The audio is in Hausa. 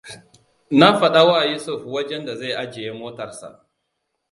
Na faɗawa Yusuf wajen da zai ajiye motarsa.